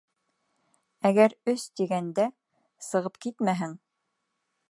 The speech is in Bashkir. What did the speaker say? Әгәр өс тигәндә... сығып китмәһәң...